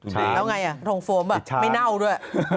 แล้วไงอ่ะโทงโฟมอ่ะไม่เน่าด้วย